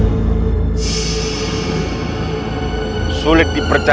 ini mungkin memang hanya bernutas dari yang tersangka itu sendiri